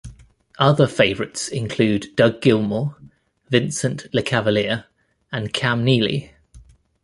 Other favourites include Doug Gilmour, Vincent Lecavalier, and Cam Neely.